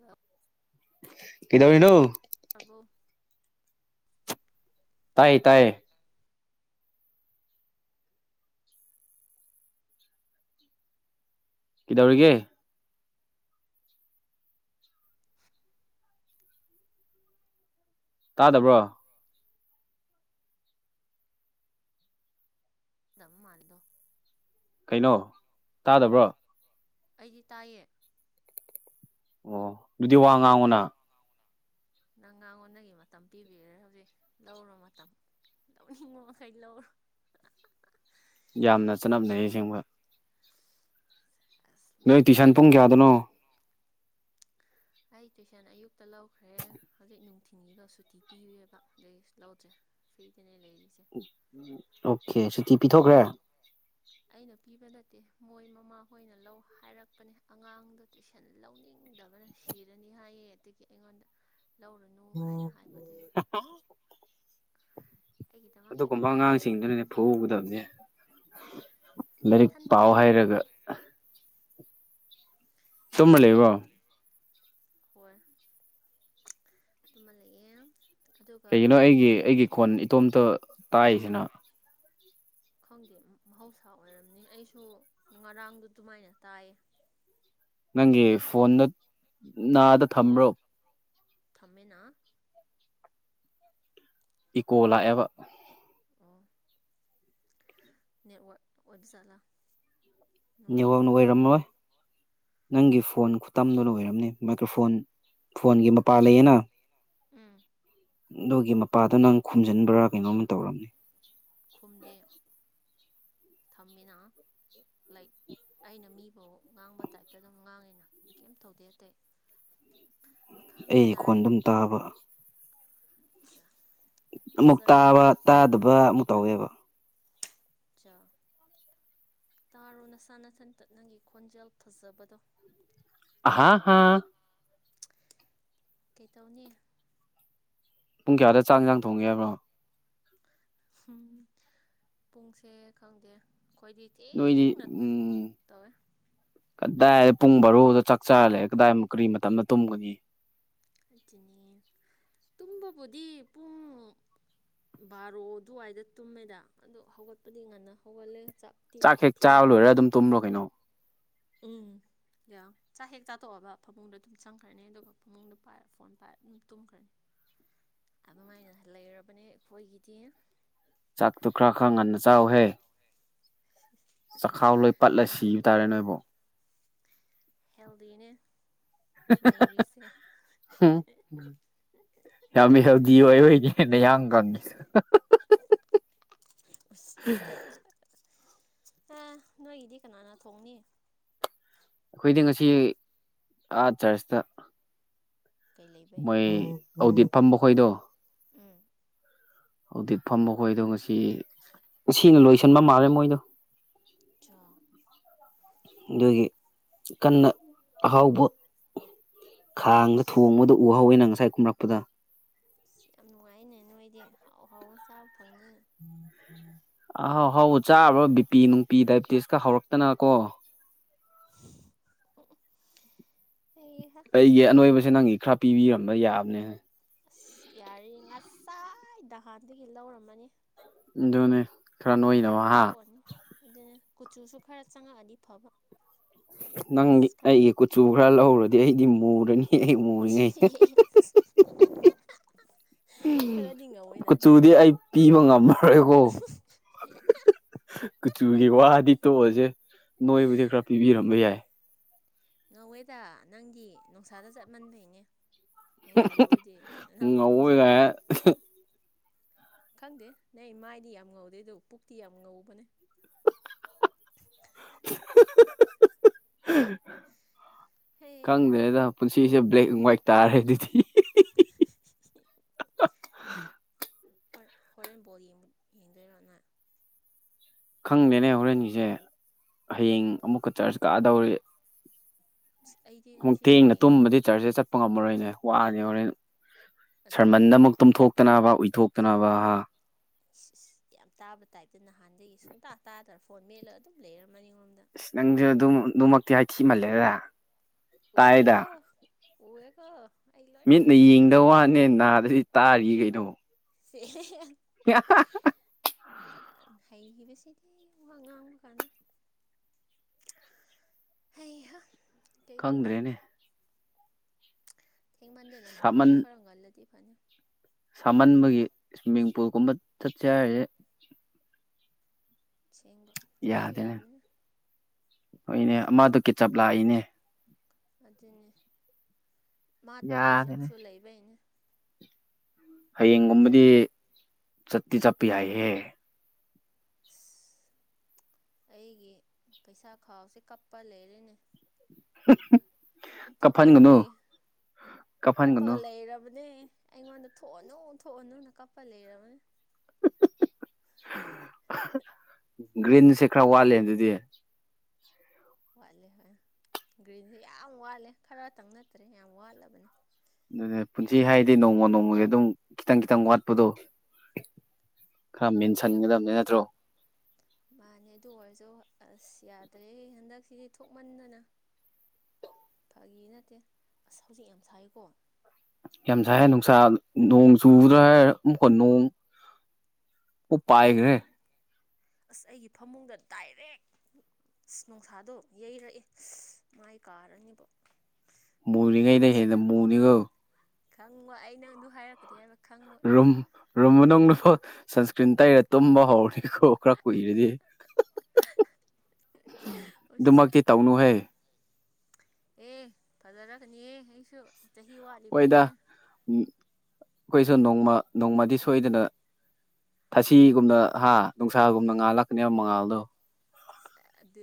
ꯍ ꯀꯗꯧꯅꯤꯅꯣ ꯑꯕꯣ ꯇꯥꯏꯌꯦ ꯇꯥꯏꯌꯦ ꯀꯩꯗꯧꯔꯤꯒꯦ ꯇꯥꯗꯕ꯭ꯔꯣ ꯗ ꯃꯥꯜꯗꯣ ꯀꯩꯅꯣ ꯇꯥꯗꯕ꯭ꯔꯣ ꯑꯩꯗꯤ ꯇꯥꯏꯌꯦ ꯑꯣ ꯑꯗꯨꯗꯤ ꯋꯥ ꯉꯥꯡꯉꯅꯦ ꯋꯥ ꯉꯥꯎꯅ ꯅꯪ ꯉꯉꯣꯟꯗꯒꯤ ꯃꯇꯝ ꯄꯤꯕꯤꯔꯦ ꯍꯧꯖꯤꯛ ꯂꯧꯔꯣ ꯃꯇꯝ ꯂꯧꯅꯤꯡꯕ ꯃꯈꯩ ꯂꯧꯔꯣ ꯌꯥꯝꯅ ꯆꯠꯅꯝ ꯂꯩꯩꯁꯦꯡꯕ ꯑꯁ ꯅꯣꯏ ꯂꯅ ꯇꯨꯏꯁꯟ ꯄꯨꯡ ꯀꯁꯤꯦ ꯀꯌꯥꯗꯅꯣ ꯑꯩ ꯇꯨꯏꯁꯟ ꯑꯌꯨꯛꯇ ꯂꯧꯈ꯭ꯔꯦ ꯍꯧꯖꯤꯛ ꯅꯨꯡꯊꯤꯟꯜꯒꯤꯗꯣ ꯁꯨꯇꯤ ꯄꯤꯦꯕ ꯑꯗꯩ ꯂꯧꯗ꯭ꯔꯦ ꯐꯤꯔꯤꯇꯅꯦ ꯂꯩꯔꯤꯁꯦ ꯑꯣꯀꯦ ꯁꯨꯇꯤ ꯄꯤꯊꯣꯛꯈ꯭ꯔꯦ ꯑꯩꯅ ꯄꯤꯕ ꯅꯠꯇꯦ ꯃꯣꯏ ꯃꯃꯥꯍꯣꯏꯅ ꯂꯧ ꯍꯥꯏꯔꯛꯄꯅꯦ ꯑꯉꯥꯡꯗ ꯇꯨꯏꯁꯟ ꯂꯧꯅꯤꯡꯗꯕꯅꯦ ꯁꯤꯔꯅꯤ ꯍꯥꯏꯌꯦ ꯑꯗꯨꯗꯒꯤ ꯑꯩꯉꯣꯟꯗ ꯂꯧꯔꯨꯅꯨ ꯍꯥꯏꯅ ꯍꯥꯏꯕ ꯑꯗꯨꯒꯤ ꯑꯩꯒꯤꯗꯃꯛꯇꯤ ꯑꯗꯨꯒꯨꯝꯕ ꯅꯨꯡꯉꯥꯏꯔꯣꯏ ꯑꯉꯥꯡꯁꯤꯡꯗꯨꯅꯅꯦ ꯐꯨꯎꯒꯗꯕꯅꯦꯦ ꯂꯥꯏꯔꯤꯛ ꯃꯊꯟꯇ ꯄꯥꯎ ꯍꯩꯔꯒ ꯄꯣꯛꯄꯅꯤ ꯇꯨꯝꯃ ꯂꯩꯕ꯭ꯔꯣ ꯍꯣꯏ ꯑꯗꯨꯃ ꯂꯩꯌꯦꯦ ꯀꯩꯒꯤꯅꯣ ꯑꯩꯒꯤ ꯑꯩꯒꯤ ꯈꯣꯟ ꯏꯇꯣꯝꯇ ꯇꯥꯛꯏꯁꯤꯅ ꯈꯪꯗꯦ ꯃꯍꯧꯁꯥ ꯑꯣꯏꯔꯝꯅꯤ ꯑꯩꯁꯨ ꯉꯔꯥꯡꯗ ꯑꯗꯨꯃꯥꯏꯅ ꯇꯥꯏꯌꯦ ꯅꯪꯒꯤ ꯐꯣꯟꯗ ꯅꯥꯗ ꯊꯃ꯭ꯔꯣ ꯊꯝꯃꯦꯅ ꯏꯀꯣ ꯂꯥꯛꯑꯦꯕ ꯑꯣ ꯅꯦꯠꯋꯔꯛ ꯑꯣꯏꯕ ꯆꯠꯂꯥ ꯅꯦꯠꯋꯥꯛꯅ ꯅꯨꯡꯉꯥꯏꯇꯕꯤ ꯑꯣꯏꯔꯝꯃꯤ ꯑꯣꯏꯔꯝꯃꯣꯏ ꯅꯪꯒꯤ ꯐꯣꯟ ꯈꯨꯇꯝꯗꯨ ꯂ ꯑꯣꯏꯣꯏꯔꯝꯅꯤ ꯃꯥꯏꯀ꯭ꯔꯣꯐꯣꯟ ꯐꯣꯟꯒꯤ ꯃꯄꯥ ꯄꯜꯂꯤꯦꯅ ꯅꯒꯤ ꯃꯄꯥꯗꯣ ꯅꯪ ꯈꯨꯝꯖꯤꯟꯕ꯭ꯔꯥ ꯀꯩꯅꯣꯝ ꯇꯧꯔꯝꯅꯦ ꯈꯨꯝꯗꯦ ꯊꯝꯃꯤꯅ ꯂꯥꯏꯛ ꯑꯩꯅ ꯃꯤꯐꯥꯎ ꯉꯥꯡꯕ ꯇꯥꯏꯞꯇ ꯑꯗꯨꯝ ꯉꯥꯡꯉꯤꯅ ꯀꯩꯝ ꯇꯧꯗꯦ ꯑꯇꯩ [unintelligible] ꯑꯩ ꯀꯣꯟ ꯇꯥꯔꯦ ꯑꯗꯨꯝ ꯇꯥꯕ [unintelligible] ꯑꯃꯨꯛ ꯐꯖꯔꯕ ꯇꯥꯕ ꯇꯥꯗꯕ ꯑꯃꯨꯛ ꯇꯧꯋꯦꯕ ꯑꯠꯆꯥꯥ ꯇꯥꯔꯣ ꯅꯁꯥꯅꯊꯟ ꯇꯠꯅꯪꯒꯤ ꯈꯣꯟꯖꯦꯜ ꯐꯖꯕꯗꯣ ꯍꯥꯥ ꯍꯥꯥ ꯀꯩꯇꯧꯅꯤ ꯄꯨꯡ ꯀꯌꯥꯗ ꯆꯥꯡ ꯆꯥꯡ ꯊꯣꯡꯉꯦꯕꯣ ꯄꯨꯡꯁꯦ ꯈꯪꯗꯦ ꯑꯩꯈꯣꯏꯗꯤ ꯊꯅ ꯇꯋꯦ ꯀꯗꯥꯏꯗ ꯄꯨꯡ ꯕꯥꯔꯣꯗ ꯆꯥꯛ ꯆꯥꯔ ꯂꯩꯦ ꯀꯗꯥꯏ ꯀꯔꯤ ꯃꯇꯝꯗ ꯇꯨꯝꯒꯅꯤ ꯑꯗꯨꯅꯦ ꯇꯨꯝꯕꯕꯨꯗꯤ ꯄꯨꯡ ꯕꯥꯔꯣ ꯑꯗꯨꯋꯥꯏꯗ ꯇꯨꯝꯃꯦꯗ ꯑꯗꯣ ꯍꯧꯒꯠꯄꯗꯤ ꯉꯟꯅ ꯍꯧꯒꯠꯂꯦ ꯆꯥꯛ ꯆꯥꯛ ꯍꯦꯛ ꯆꯥꯕ ꯂꯣꯏꯔꯒ ꯑꯗꯨꯝ ꯇꯨꯝꯂꯣ ꯀꯩꯅꯣ ꯎꯝ ꯌꯥ ꯆꯥꯛ ꯍꯦꯛ ꯆꯥꯊꯣꯛꯑꯕ ꯐꯃꯨꯡꯗꯣ ꯑꯗꯨꯝ ꯆꯪꯈ꯭ꯔꯅꯤ ꯑꯗꯨꯒ ꯐꯃꯨꯡꯗꯣ ꯄꯥꯏꯔ ꯐꯣꯟ ꯄꯥꯏꯔ ꯑꯗꯨꯝ ꯇꯨꯝꯈ꯭ꯔꯅꯤ ꯑꯗꯨꯃꯥꯏꯅ ꯂꯩꯔꯕꯅꯦ ꯑꯩꯈꯣꯏꯒꯤꯗꯤ ꯆꯥꯛꯇꯨ ꯈꯔ ꯈꯔ ꯉꯟꯅ ꯆꯥꯎꯍꯦ ꯆꯈꯥꯎ ꯂꯣꯏ ꯄꯠꯂ ꯁꯤꯕ ꯇꯥꯔꯦ ꯅꯣꯏꯕꯨ ꯍꯦꯜꯗꯤꯅꯤ ꯅꯔꯤꯁꯦ ꯌꯥꯝꯃꯤ ꯍꯧꯖꯤ ꯑꯣꯏ ꯍꯣꯏꯅꯤꯅꯍꯡ ꯀꯪꯉꯁꯨ ꯊ ꯑꯦ ꯅꯣꯏꯒꯤꯗꯤ ꯀꯅꯥꯅ ꯊꯣꯡꯅꯤ ꯑꯩꯈꯣꯏꯗꯤ ꯉꯁꯤ ꯑꯥ ꯆꯔꯆꯇ ꯀꯩ ꯂꯩꯕꯩ ꯃꯣꯏ ꯑꯗꯤꯠ ꯐꯝꯕ ꯈꯣꯏꯗꯣ ꯎꯝ ꯍꯧꯖꯤꯛ ꯐꯝꯕꯈꯣꯏꯗꯣ ꯉꯁꯤꯁꯤꯅ ꯂꯣꯏꯁꯟꯕ ꯃꯥꯜꯂꯦ ꯃꯣꯏꯗꯣ ꯆꯥꯎ ꯑꯗꯨꯒꯤ ꯀꯟꯅ ꯑꯍꯥꯎꯕ ꯈꯥꯡꯗ ꯊꯣꯡꯕꯗ ꯎꯍꯧꯋꯦꯅ ꯉꯁꯥꯏ ꯀꯨꯝꯔꯛꯄꯗ ꯑꯁ ꯌꯥꯝ ꯅꯨꯡꯉꯥꯏꯅꯦ ꯅꯣꯏꯗꯤ ꯑꯥꯎ ꯍꯥꯎ ꯆꯥꯕ ꯐꯪꯅ ꯑꯍꯥꯎꯍꯥꯎ ꯁꯅ ꯆꯥꯔꯕ꯭ꯔꯥ ꯕꯤꯄꯤ ꯅꯨꯡꯄꯤ ꯗꯥꯏꯕꯤꯇꯤꯁꯀ ꯍꯧꯔꯛꯇꯅ ꯀꯣ ꯍꯍ ꯑꯩꯒꯤ ꯑꯅꯣꯏꯕꯁꯦ ꯅꯪꯒꯤ ꯈꯔ ꯄꯤꯕꯤꯔꯝꯕ ꯌꯥꯕꯅꯦ ꯑꯁ ꯌꯥꯔꯤ ꯉꯁꯥꯏꯗ ꯍꯥꯟꯗꯒꯤ ꯂꯧꯔꯝꯃꯅꯤ ꯗꯣꯅꯦ ꯌꯥꯝ ꯐꯖꯅ ꯊꯣꯛꯑꯅꯤ ꯑꯗꯨꯅ ꯀꯨꯆꯨꯁꯨ ꯈꯔ ꯆꯪꯉꯛꯑꯗꯤ ꯐꯕ ꯅꯪꯒꯤ ꯑꯁ ꯈꯔ ꯑꯩꯒꯤ ꯀꯨꯆꯨ ꯈꯔ ꯂꯧꯔꯗꯤ ꯑꯩꯗꯤ ꯃꯨꯔꯅꯤ ꯑꯩ ꯃꯨꯔꯤꯉꯩ ꯈꯔꯗꯤ ꯉꯧꯋꯤꯅ ꯑꯗꯣ ꯀꯨꯆꯨꯗꯤ ꯑꯩ ꯄꯤꯕ ꯉꯝꯃꯔꯣꯏꯀꯣ ꯀꯨꯆꯨꯒꯤ ꯋꯥꯗꯤ ꯇꯣꯛꯑꯁꯦ ꯅꯣꯏꯕꯨꯗꯤ ꯈꯔ ꯄꯤꯕꯤꯔꯝꯕ ꯌꯥꯏ ꯉꯧꯋꯦꯗ ꯅꯪꯒꯤ ꯅꯨꯡꯁꯥꯗ ꯆꯠꯃꯟꯕꯩꯅꯦ ꯉꯧꯔꯤꯗꯨꯗꯤ ꯅꯅꯥ ꯅꯨꯨꯄꯤꯁꯨ ꯉꯧꯋꯦꯒꯥꯏ ꯈꯪꯗꯦ ꯅ ꯃꯥꯏꯗꯤ ꯌꯥꯝ ꯉꯧꯗꯦ ꯑꯗꯨ ꯄꯨꯛꯇꯤ ꯌꯥꯝ ꯉꯧꯕꯅꯦ ꯍꯦ ꯈꯪꯗꯗ ꯄꯨꯟꯁꯤꯁꯦ ꯕ꯭ꯂꯦꯛ ꯑꯦꯟ ꯋꯥ꯭ꯋꯥꯏꯠ ꯇꯥꯔꯦ ꯑꯗꯨꯗꯤ [unintelligible] ꯍ ꯍꯣꯔꯦꯟ ꯕꯣꯜ ꯌꯦꯡꯗꯣꯏꯔꯣ ꯅ ꯈꯪꯗꯦꯅꯦ ꯍꯣꯔꯦꯟꯒꯤꯁꯦ ꯍꯌꯦꯡ ꯑꯃꯨꯛꯀ ꯆꯔꯆ ꯀꯛꯑꯗꯧꯔꯤ ꯑꯁ ꯑꯩꯗꯤ ꯑꯃꯨꯛ ꯉꯁꯤꯗꯤ ꯊꯦꯡꯅ ꯌꯦꯡꯉꯔꯣꯏ ꯇꯨꯝꯕꯗꯤ ꯆꯔꯁꯦ ꯆꯠ ꯄ ꯉꯝꯃꯔꯣꯏꯅꯦ ꯋꯥꯅꯦ ꯍꯣꯔꯦꯟ ꯑꯗꯨꯅꯦ ꯁꯔꯃꯟꯗ ꯑꯃꯨꯛ ꯇꯨꯝꯊꯣꯛꯇꯅꯕ ꯎꯏꯊꯣꯛꯇꯅꯕ ꯍꯥ꯫ ꯏꯁ ꯏꯁ ꯌꯥꯝ ꯇꯥꯕ ꯇꯥꯏꯞꯇ ꯅꯍꯥꯟꯗꯒꯤ ꯁꯨꯡꯇꯥ ꯇꯥꯗ꯭ꯔ ꯐꯣꯟ ꯃꯦꯠꯂꯒ ꯑꯗꯨꯝ ꯂꯩꯔ ꯃꯅꯤꯡꯔꯣꯝꯗ꯫ ꯅꯪꯁꯨ ꯑꯗꯨ ꯑꯗꯨꯃꯛꯇꯤ ꯍꯥꯏ ꯊꯤꯃꯜꯂꯦꯗ꯫ ꯎꯋꯦ ꯀꯣ ꯎꯋꯦ ꯀꯣ꯫ ꯃꯤꯠꯅ ꯌꯦꯡꯗ ꯋꯥꯅꯦ ꯅꯥꯗꯗꯤ ꯇꯥꯔꯤ ꯀꯩꯅꯣ꯫ ꯁꯦꯍꯦꯍꯦ꯫ [unintelligible] ꯆ ꯍꯩꯒꯤꯕꯁꯤꯗꯤ ꯋꯥ ꯉꯥꯡꯕ ꯀꯥꯟꯗ꯫ ꯍꯍ ꯈꯪꯗ꯭ꯔꯦꯅꯦ ꯊꯦꯡꯃꯟꯗꯅ ꯁꯥꯃꯟ ꯕꯣꯜꯁꯨ ꯈꯔ ꯉꯜꯂꯗꯤ ꯐꯅꯤ ꯁꯥꯃꯟꯕꯒꯤ ꯏꯁ꯭ꯋꯤꯝꯃꯤꯡ ꯄꯨꯜꯒꯨꯝꯕ ꯆꯠꯁꯦ ꯍꯥꯏꯔꯁꯦ ꯁꯦꯡꯕ ꯌꯥꯗꯦꯅꯦ ꯍꯣꯏꯅꯦ ꯑꯃꯗꯨ ꯀ ꯆꯞ ꯂꯥꯛꯏꯅꯦ ꯑꯗꯨꯅꯦ ꯃꯥ ꯇꯨꯏꯁꯟꯁꯨ ꯂꯩꯕꯩꯅꯦ ꯍꯌꯦꯡꯒꯨꯝꯕꯗꯤ ꯅꯠꯇ꯭ꯔꯗꯤ ꯆꯠꯇꯤ ꯆꯠꯄ ꯌꯥꯏꯍꯦ ꯑꯁ ꯑꯩꯒꯤ ꯄꯩꯁꯥ ꯈꯥꯎꯁꯦ ꯀꯞꯄ ꯂꯩꯔꯦꯅꯦ [unintelligible] ꯀꯞꯍꯟꯒꯅꯨ ꯊꯣꯛꯃꯟꯕꯒꯤ ꯀꯞꯍꯟꯒꯅꯨ ꯀꯞꯄꯒ ꯂꯩꯔꯕꯅꯦ꯫ ꯑꯩꯉꯣꯟꯗ ꯊꯣꯛꯑꯅꯨ ꯊꯣꯛꯑꯅꯨꯅ ꯀꯞꯄ ꯂꯩꯔꯕꯅꯦ꯫ [unintelligible] ꯒ꯭ꯔꯤꯟꯁꯦ ꯈꯔ ꯋꯥꯠꯂꯦ ꯑꯗꯨꯗꯤ꯫ ꯋꯥꯠꯂꯦ ꯍꯣꯏ ꯒ꯭ꯔꯤꯟꯁꯦ ꯌꯥꯝ ꯋꯥꯠꯂꯦ ꯈꯔꯇꯪ ꯅꯠꯇ꯭ꯔꯦ ꯌꯥꯝ ꯋꯥꯠꯂꯕꯅꯦ꯫ ꯑꯗꯨꯅꯦ ꯄꯨꯟꯁꯤ ꯍꯥꯏꯗꯤ ꯅꯣꯡꯃ ꯅꯣꯡꯃꯒꯤ ꯑꯗꯨꯝ ꯈꯤꯇꯪ ꯈꯤꯇꯪ ꯋꯥꯠꯄꯗꯣ꯫ ꯈꯔ ꯃꯦꯟꯁꯟꯒꯗꯕꯅꯦ ꯅꯠꯇ꯭ꯔꯣ꯫ ꯃꯥꯅꯦ ꯑꯗꯨ ꯑꯣꯏꯔꯁꯨ ꯑꯁ ꯌꯥꯗ꯭ꯔꯦ ꯍꯟꯗꯛꯁꯤꯗꯤ ꯊꯣꯛꯃꯟꯗꯅ꯫ ꯐꯒꯤ ꯅꯠꯇꯦ ꯑꯁ ꯍꯧꯖꯤꯛ ꯌꯥꯝ ꯁꯥꯏꯌꯦꯀꯣ꯫ ꯌꯥꯝ ꯁꯥꯌꯦ ꯅꯨꯡꯁꯥ ꯅꯣꯡ ꯆꯨꯒꯗ꯭ꯔꯥ ꯍꯥꯏꯔ ꯑꯃꯨꯛꯀ ꯅꯣꯡ꯫ ꯑꯃꯨꯛ ꯑꯗꯨꯅꯦ ꯄꯥꯏꯈ꯭ꯔꯦ ꯑꯩ ꯑꯁ ꯑꯩꯒꯤ ꯐꯃꯨꯡꯗ ꯗꯥꯏꯔꯦꯛ꯫ ꯑꯁ ꯅꯅꯨꯡꯁꯥꯗꯣ ꯌꯩꯔꯛꯑꯦ ꯃꯥꯏ ꯀꯥꯔꯅꯤꯕꯣ꯫ ꯃꯨꯔꯤꯉꯩꯗ ꯍꯦꯟꯅ ꯃꯨꯔꯤꯀꯥꯟꯁꯤꯗ ꯃꯨꯅꯤꯀꯣ ꯈꯪꯕ ꯑꯩ ꯅꯪꯗꯨ ꯍꯥꯏꯔꯛꯀꯅꯤ ꯍꯥꯏꯕ ꯈꯪ꯫ ꯔꯨꯝ ꯔꯨꯝ ꯃꯅꯨꯡꯗꯐꯥꯎ ꯁꯟꯁꯀ꯭ꯔꯤꯟ ꯇꯩꯔ ꯇꯨꯝꯕ ꯍꯧꯔꯦꯀꯣ ꯈꯔ ꯀꯨꯏꯔꯗꯤ꯫ ꯑꯗꯨꯃꯛꯇꯤ ꯎꯁꯤꯠꯇ ꯇꯧꯅꯨꯍꯦ ꯑꯦ ꯐꯖꯔꯛꯀꯅꯤꯍꯦ ꯑꯩꯁꯨ꯫ ꯆꯍꯤ ꯋꯥꯠ꯫ ꯍꯣꯏꯗ ꯎ ꯑꯩꯈꯣꯏꯁꯨ ꯅꯣꯡꯃ ꯅꯣꯡꯃꯗꯤ ꯁꯣꯏꯗꯅ꯫ ꯊꯥꯁꯤꯒꯨꯝꯅ ꯍꯥ ꯅꯨꯡꯁꯥꯒꯨꯝꯅ ꯉꯥꯜꯂꯥꯛꯀꯅꯤꯕ ꯃꯉꯥꯜꯗꯣ꯫ ꯑꯗꯨ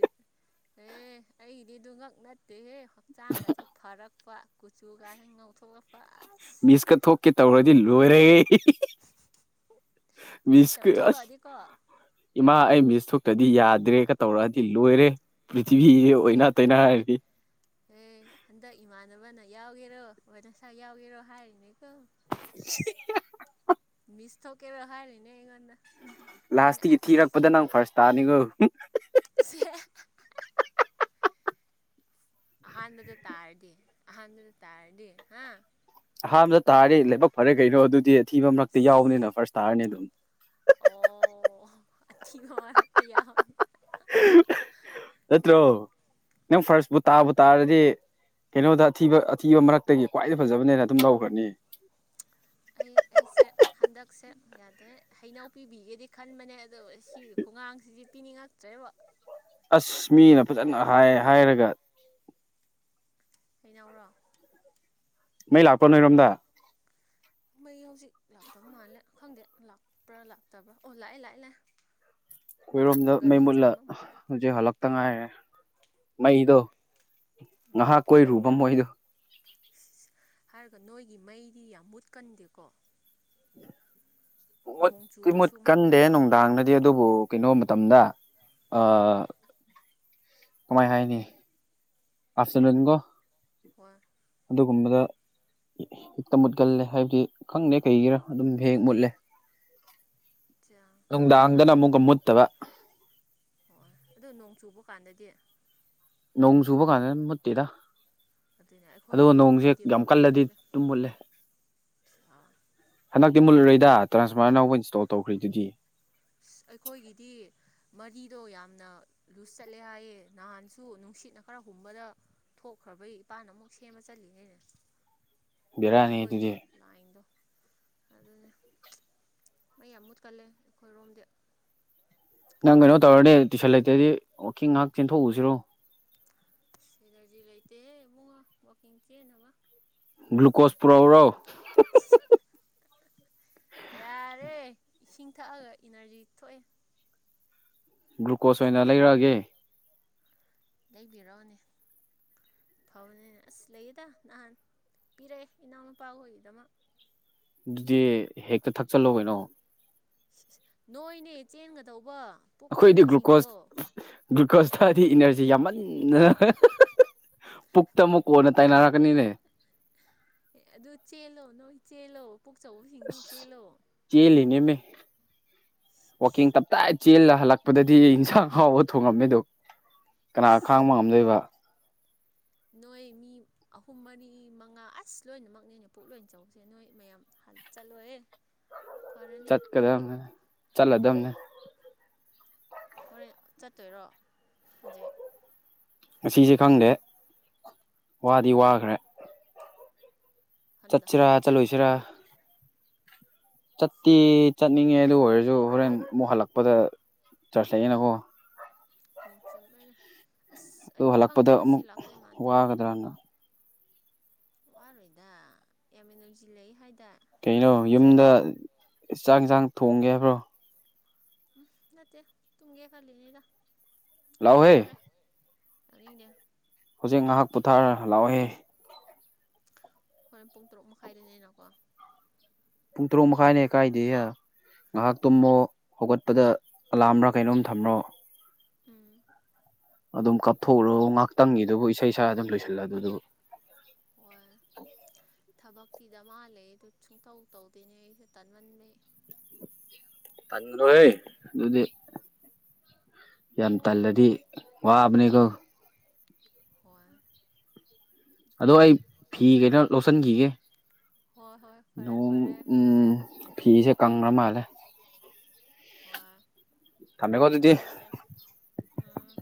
ꯑꯦ ꯑꯩꯒꯤꯗꯤꯗꯨ ꯉꯛ ꯅꯠꯇꯦꯍꯦ꯫ ꯍꯛꯆꯥꯡꯒꯁꯦ ꯐꯔꯛꯄ ꯀꯨꯆꯨꯒꯥꯁꯦ ꯉꯧꯊꯣꯛ ꯑꯛꯄ ꯑꯁ꯫ ꯄꯤꯁꯀ ꯊꯣꯛꯀꯦ ꯇꯧꯔꯗꯤ ꯂꯣꯏꯔꯒꯦ꯫ [unintelligible] ꯎꯁꯤꯠꯇꯕ ꯃꯤꯁꯀ ꯑꯁ꯫ ꯊꯣꯛꯂꯛꯑꯗꯤꯀꯣ ꯏꯃꯥ ꯑꯩ ꯃꯤꯁ ꯊꯣꯛꯇ꯭ꯔꯗꯤ ꯌꯥꯗ꯭ꯔꯦꯒ ꯇꯧꯔꯛꯑꯗꯤ ꯂꯣꯏꯔꯦ꯫ ꯄ꯭ꯔꯤꯊꯤꯕꯤ ꯑꯣꯏꯅꯥ ꯇꯩꯅꯔꯅꯤ ꯫ ꯑꯦ ꯍꯟꯗꯛ ꯏꯃꯥꯟꯅꯕꯅ ꯌꯥꯎꯒꯦꯔꯣ [unintelligible] ꯅꯁꯥꯏ ꯌꯥꯎꯒꯦꯔꯣ ꯍꯥꯏꯔꯤꯅꯦꯀꯣ꯫ [unintelligible] ꯃꯤꯁ ꯊꯧꯀꯦꯔ ꯍꯥꯏꯔꯤꯅꯦ ꯑꯩꯉꯣꯟꯗ꯫ ꯑꯩꯅ ꯂꯥꯁꯇꯤꯒꯤ ꯊꯤꯔꯛꯄꯗ ꯅꯪ ꯐꯥꯔꯁ ꯇꯥꯅꯤꯒꯣ꯫ ꯁꯦꯍꯦ꯫ ꯑꯍꯥꯟꯕꯗ ꯇꯥꯔꯗꯤ ꯑꯍꯥꯟꯕꯗ ꯇꯥꯔꯗꯤ ꯍꯥ꯫ ꯑꯍꯥꯟꯕꯗ ꯇꯥꯔꯗꯤ ꯂꯥꯏꯕꯛ ꯐꯔꯦ ꯀꯩꯅꯣ ꯑꯗꯨꯗꯤ ꯑꯊꯤꯕ ꯃꯔꯛꯇ ꯌꯥꯎꯕꯅꯤꯅ ꯐꯥꯔꯁ ꯇꯥꯔꯅꯤ ꯑꯗꯨꯝ꯫ ꯑꯣ ꯑꯊꯤꯕ ꯃꯔꯛꯇ ꯌꯥꯎ [unintelligible] [unintelligible] ꯅꯠꯇ꯭ꯔꯣ ꯅꯪ ꯐꯥꯔꯁꯄꯨ ꯇꯥꯕꯨ ꯇꯥꯔꯗꯤ꯫ ꯀꯩꯅꯣꯗ ꯑꯊꯤꯕ ꯑꯊꯤꯕ ꯃꯔꯛꯇꯒꯤ ꯈ꯭ꯋꯥꯏꯗꯩ ꯐꯖꯕꯅꯦꯅ ꯑꯗꯨꯝ ꯂꯧꯈ꯭ꯔꯅꯤ꯫ ꯑꯩ ꯑꯩꯁꯦ ꯍꯟꯗꯛꯁꯦ ꯌꯥꯗ꯭ꯔꯩ ꯍꯩꯅꯧ ꯄꯤꯕꯤꯒꯦꯗꯤ ꯈꯟꯕꯅꯦ ꯑꯗꯣ ꯁꯤꯒꯤ ꯈꯣꯡꯒꯥꯡꯁꯤꯁ ꯄꯤꯅꯤꯡꯉꯛꯇ꯭ꯔꯦꯕ ꯑꯁ ꯃꯤꯅ ꯐꯖꯅ ꯍꯥꯏ ꯍꯥꯏꯔꯒ ꯀꯩꯅꯧꯔꯣ ꯃꯩ ꯂꯥꯛꯄ ꯅꯣꯏꯔꯣꯝꯗ ꯃꯩ ꯍꯧꯖꯤꯛ ꯂꯥꯛꯇꯕ ꯃꯥꯜꯂꯦ ꯈꯪꯗꯦ ꯂꯥꯛꯄ꯭ꯔꯥ ꯂꯥꯛꯇꯕ꯭ꯔꯥ ꯑꯣ ꯂꯥꯛꯑꯦ ꯂꯥꯛꯑꯦ ꯂꯥꯛ ꯑꯩꯈꯣꯏꯔꯣꯝꯗ ꯃꯩ ꯃꯨꯠꯂ ꯃꯈꯣꯟ ꯍꯧꯖꯤꯛ ꯍꯜꯂꯛꯇ ꯉꯥꯏꯔꯦ ꯆꯥ ꯃꯩꯗꯣ ꯎꯝ꯫ ꯉꯥꯏꯍꯥꯛ ꯀꯣꯏꯔꯨꯕ ꯃꯣꯏꯗꯣ ꯏꯁ ꯍꯥꯏꯔꯒ ꯅꯣꯏꯒꯤ ꯃꯩꯗꯤ ꯌꯥꯝ ꯃꯨꯠꯀꯟꯗꯦꯀꯣ꯫ ꯅꯣꯡ ꯄꯨꯡꯃꯨꯠꯇꯤ ꯆꯨꯔꯁꯨ ꯃꯨꯠꯀꯟꯗꯦ ꯃꯨꯠꯇꯕ ꯃꯥꯜꯂꯦ ꯅꯨꯡꯗꯥꯡꯅ ꯑꯗꯨꯕꯨ ꯀꯩꯅꯣ ꯃꯇꯝꯗ ꯑ꯫ ꯎꯝ ꯀꯃꯥꯏ ꯍꯥꯏꯅꯤ ꯑꯥꯐꯇꯅꯨꯟꯀꯣ꯫ ꯋꯥ꯫ ꯑꯗꯨꯒꯨꯝꯕꯗ꯫ ꯍꯦꯛꯇ ꯃꯨꯠꯀꯜꯂꯦ ꯍꯥꯏꯕꯗꯤ ꯈꯪꯗꯦ ꯀꯩꯒꯤꯔꯥ ꯑꯗꯨꯝ ꯍꯦꯍꯦꯛ ꯃꯨꯠꯂꯦ꯫ [unintelligible] ꯅꯨꯡꯗꯥꯡꯗꯅ ꯑꯗꯨ ꯑꯃꯨꯛꯀ ꯃꯨꯠꯇꯕ ꯍꯣꯏ ꯑꯗꯨ ꯅꯣꯡ ꯆꯨꯕ ꯀꯥꯟꯗꯗꯤ ꯅꯣꯡ ꯁꯨꯕ ꯀꯥꯟꯗ ꯃꯨꯠꯇꯤꯗ ꯑꯗꯨꯅꯦ ꯑꯗꯣ ꯅꯣꯡꯁꯦ ꯑꯩꯈꯣꯏꯒꯤꯔꯣꯝꯒꯤꯗꯤꯀꯣ ꯌꯥꯝ ꯀꯜꯂꯗꯤ ꯃꯨꯠꯂꯦ ꯑꯗꯨꯝ ꯃꯨꯠꯂꯦ ꯑꯁ ꯍꯟꯛꯇꯤꯂꯨꯔꯣꯏꯏꯗ ꯇꯥꯟꯐꯥꯔꯅꯧꯕ ꯏꯟꯁꯇꯜꯈꯔꯤꯗꯨꯗꯤ ꯑꯩꯈꯣꯏꯒꯤꯗꯤ ꯃꯔꯤꯗꯣ ꯌꯥꯝꯅ ꯂꯨꯁ ꯆꯠꯂꯦ ꯍꯥꯏꯌꯦ ꯅꯍꯥꯟꯁꯨ ꯅꯨꯡꯁꯤꯠꯅ ꯈꯔ ꯍꯨꯝꯕꯗ ꯊꯣꯛꯈ꯭ꯔꯕꯒꯤ ꯏꯄꯥꯥꯟꯅ ꯑꯃꯨꯛ ꯁꯦꯝꯕ ꯆꯠꯂꯤꯅꯦꯅꯦ ꯕꯦꯔꯥꯅꯤ ꯑꯩꯈꯣꯏꯒꯤ ꯑꯗꯨꯗꯤ ꯂꯥꯏꯟꯗꯣ ꯑꯗꯨꯅ ꯃꯩ ꯌꯥꯝ ꯃꯨꯠꯀꯜꯂꯦ ꯑꯩꯈꯣꯏꯔꯣꯝꯗꯤ ꯅꯪ ꯀꯩꯅꯣ ꯇꯧꯔꯅꯦ ꯇꯨꯏꯁꯟ ꯂꯩꯇ꯭ꯔꯗꯤ ꯋꯥꯋꯀꯤꯡ ꯉꯥꯏꯍꯥꯛ ꯆꯦꯟꯊꯣꯛꯎꯁꯤꯔꯣ ꯑꯦꯅꯔꯖꯤ ꯂꯩꯇꯦꯍꯦꯕꯨꯡꯉꯣ ꯋꯥꯛꯀꯤꯡ ꯆꯦꯕ ꯒ꯭ꯂꯨꯀꯣꯁ ꯄꯨꯔꯛꯎꯔꯣ ꯑꯣ ꯌꯥꯔꯦ ꯏꯁꯤꯡ ꯊꯛꯑꯒ ꯏꯅꯔꯖꯤ ꯊꯣꯛꯑꯦ ꯒ꯭ꯂꯨꯀꯣꯁ ꯑꯣꯏꯅ ꯂꯩꯔꯛꯑꯒꯦ ꯂꯩꯕꯤꯔꯛꯅꯦ ꯐꯥꯎꯅꯤꯅꯦ ꯑꯁ ꯂꯩꯌꯦꯗ ꯅꯍꯥꯟ ꯄꯤꯔꯛꯑꯦ ꯏꯅꯥꯎ ꯃꯄꯥ ꯍꯣꯏꯒꯤꯗꯃꯛ ꯑꯗꯨꯗꯤ ꯍꯦꯛꯇ ꯊꯛꯆꯜꯍꯣꯕꯩꯅꯣ ꯅꯣꯏꯅꯦ ꯆꯦꯟꯒꯗꯧꯕ ꯄꯨꯛ ꯑꯩꯈꯣꯏꯗꯤ ꯆꯥꯎꯕꯁꯤꯡꯗꯣ ꯒ꯭ꯂꯨꯀꯣꯁ ꯒ꯭ꯂꯨꯀꯣꯁꯇꯗꯤ ꯏꯅꯔꯖꯤ ꯌꯥꯝꯃꯠ ꯎ ꯄꯨꯈꯇꯃꯨ ꯀꯅ ꯑꯗꯨ ꯆꯦꯜꯂꯣ ꯅꯣꯏ ꯆꯦꯜꯂꯣ ꯄꯨꯣꯛꯆꯧꯕꯁꯤꯡꯗꯧ ꯑꯁ ꯆꯦꯜꯂꯣ ꯆꯦꯜꯂꯤꯅꯦꯃꯦ ꯋꯥꯛꯀꯤꯡ ꯇꯞꯇꯥ ꯑꯩ ꯆꯦꯜꯂ ꯍꯜꯂꯛꯄꯗꯗꯤ ꯏꯟꯁꯥꯡ ꯍꯥꯎꯕ ꯊꯣꯉꯝꯃꯤꯗꯨ ꯀꯅꯥ ꯈꯥꯡꯕ ꯏꯁ ꯉꯝꯗꯣꯏꯕ ꯅꯣꯏ ꯃꯤ ꯑꯍꯨꯝ ꯃꯔꯤ ꯃꯉꯥ ꯑꯁ ꯂꯣꯏꯅꯃꯛꯅꯦꯅꯦ ꯄꯨꯛ ꯂꯣꯏ ꯆꯧꯁꯦ ꯅꯣꯏ ꯃꯌꯥꯝꯥꯟ ꯆꯠꯂꯣꯏꯦ [unintelligible] ꯆꯠꯀꯗꯕꯅꯦ ꯆꯠꯂꯗꯕꯅꯦ ꯍꯣꯔꯦꯟ ꯆꯠꯇꯣꯏꯔꯣ ꯍꯧꯖꯤꯛ ꯉꯁꯦ ꯈꯪꯗꯦ ꯋꯥꯗꯤ ꯆꯠꯂꯨꯅꯦ ꯋꯥꯈ꯭ꯔꯦ ꯍꯟꯗꯛ ꯆꯠꯁꯤꯔꯥ ꯍꯟꯗꯛ ꯆꯠꯂꯣꯏꯁꯤꯔꯥ ꯆꯠꯇ꯭ꯔꯗꯤ ꯆꯥ ꯆꯠꯇꯦ ꯆꯠꯅꯤꯡꯉꯦ ꯑꯗꯨ ꯑꯣꯏꯔꯁꯨ ꯍꯣꯔꯦꯟ ꯑꯃꯨꯛ ꯍꯜꯂꯛꯄꯗ ꯆꯠꯁꯂꯛꯑꯦꯅꯀꯣ ꯀꯣ ꯆꯨꯝꯃꯦꯅ ꯑꯁ ꯑꯩꯗꯤ ꯈꯪꯗꯦ ꯉꯁꯤ ꯂꯥꯛꯇꯣꯏ ꯃꯥꯟꯗꯦ ꯒꯗ꯭ꯔꯥꯅ ꯋꯥꯔꯣꯏꯗ ꯌꯥꯝ ꯏꯅꯖꯤꯜ ꯂꯩ ꯍꯥꯏꯗꯥ ꯀꯩꯅꯣ ꯌꯨꯝꯗ ꯆ ꯆꯥꯛ ꯌꯦꯟꯁꯥꯡ ꯊꯣꯡꯒꯦ ꯍꯥꯏꯕ꯭ꯔꯣ ꯎꯝ ꯅꯠꯇꯦ ꯇꯨꯝꯒꯦ ꯈꯜꯂꯤꯅꯦꯗ ꯂꯥꯛꯑꯣꯍꯦ ꯋꯥꯔꯦ ꯌꯥꯅꯤꯡꯅꯦ ꯍꯧꯖꯤꯛ ꯉꯥꯏꯍꯥꯛ ꯄꯨꯊꯥꯔꯒ ꯂꯥꯛꯑꯣꯏꯦ ꯍꯣꯔꯦꯟ ꯄꯨꯡ ꯇꯔꯨꯛ ꯃꯈꯥꯏꯗꯅꯤꯅꯀꯣ ꯄꯨꯡ ꯇꯔꯨꯛ ꯃꯈꯥꯏꯅꯦ ꯀꯥꯏꯗꯦ ꯉꯥꯏꯍꯥꯛ ꯇꯨꯝꯃꯣ ꯍꯣꯏ ꯍꯧꯒꯠꯄꯗ ꯑꯂꯥꯝꯔꯥ ꯀꯩꯅꯣꯝ ꯊꯝꯔꯣ ꯎꯝ ꯑꯗꯨꯝ ꯀꯞꯊꯣꯛꯎꯔꯣ ꯉꯍꯥꯛꯇꯪꯒꯤꯗꯨꯕꯨ ꯏꯁꯩ ꯁꯛꯑꯥ ꯑꯗꯨꯝ ꯂꯣꯏꯁꯤꯜꯂ ꯑꯗꯨꯗꯨꯕꯨ ꯍꯣꯏ ꯊꯕꯛꯇꯤ ꯗꯃꯥ ꯂꯩꯌꯦ ꯑꯗꯨ ꯁꯨꯡꯇꯧ ꯇꯧꯗꯦꯅꯦ ꯑꯩꯁꯨ ꯇꯟꯃꯟꯕꯩ ꯀꯔꯤꯅꯣꯍꯦ ꯑꯗꯨꯗꯤ ꯌꯥꯝ ꯇꯜꯂꯗꯤ ꯋꯥꯕꯅꯦꯀꯣ ꯍꯣꯏ ꯑꯗꯣ ꯑꯩ ꯐꯤ ꯀꯩꯅꯣ ꯂꯣꯠꯁꯤꯟꯈꯤꯒꯦ ꯍꯣꯏ ꯍꯣꯏ ꯐꯔꯦ ꯅꯣꯡ ꯐꯔꯦ ꯎꯝ ꯐꯤꯁꯦ ꯀꯪꯔ ꯃꯥꯜꯂꯦ ꯍꯣꯏ ꯊꯝꯃꯦꯀꯣ ꯑꯗꯨꯗꯤ ꯐꯔꯦ ꯐꯔꯦ ꯎꯝ